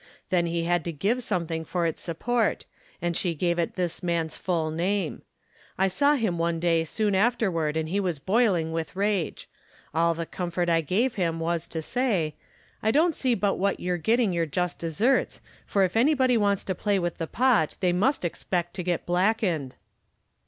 Then he had to give something for its support, and she gave it this man's full name. I saw him one day soon after ward and he was boiling with rage. All the comfort I gave him was to say, 'I don't see but what you're getting your just deserts, for if anybody wants to play with the pot, they must expect to get blackened